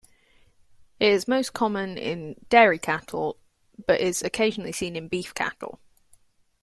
It is most common in dairy cattle, but is occasionally seen in beef cattle.